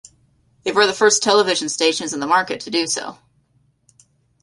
They were the first television stations in the market to do so.